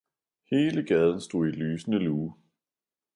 hele gaden stod i lysende lue.